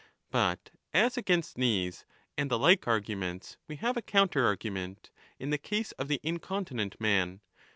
But as against these and the like arguments ^ we have 25 a counter argument in the case of the incontinent man.